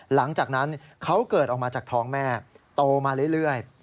หลังจากนั้นเขาเกิดออกมาจากท้องแม่โตมาเรื่อย